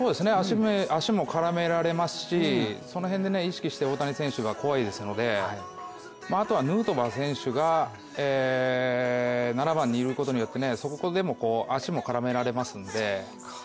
足も絡められますしその辺意識して、大谷選手は怖いですので、あとはヌートバー選手が７番にいることによって、そこでも足も絡められますので。